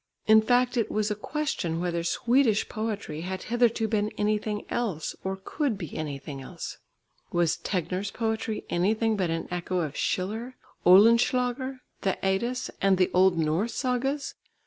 In fact it was a question whether Swedish poetry had hitherto been anything else, or could be anything else. Was Tegner's poetry anything but an echo of Schiller, Oehlenschläger, the Eddas and the old Norse sagas?